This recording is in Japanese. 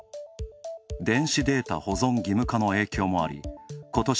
電子データ保存義務化の影響もありことし